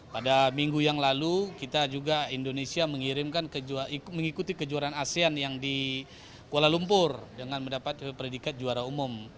pada minggu yang lalu kita juga indonesia mengikuti kejuaraan asean yang di kuala lumpur dengan mendapat predikat juara umum